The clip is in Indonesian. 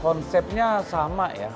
konsepnya sama ya